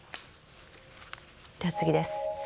では次です。